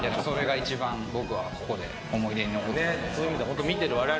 それが一番僕はここで思い出に残る。